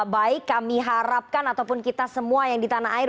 baik kami harapkan ataupun kita semua yang di tanah air